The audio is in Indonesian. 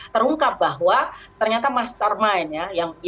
terungkap bahwa ternyata mastermind ya